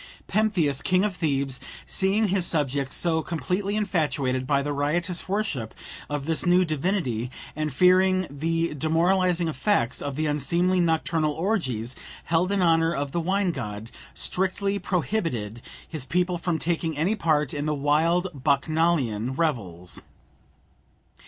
Pentheus, king of Thebes, seeing his subjects so completely infatuated by the riotous worship of this new divinity, and fearing the demoralizing effects of the unseemly nocturnal orgies held in honour of the wine god, strictly prohibited his people from taking any part in the wild Bacchanalian revels.